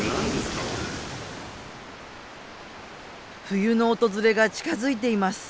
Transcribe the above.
冬の訪れが近づいています。